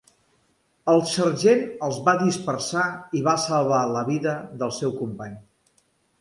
El sergent els va dispersar i va salvar la vida del seu company.